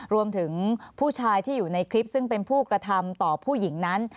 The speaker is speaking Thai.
รวมถึงผู้ชายที่อยู่ในคลิปซึ่งเป็นผู้กระทำต่อผู้หญิงนั้น